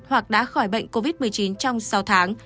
hoặc đã khỏi bệnh covid một mươi chín trong sáu tháng